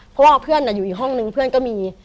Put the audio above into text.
เพราะว่าเพื่อนอยู่อีกห้องนึงเพื่อนก็มี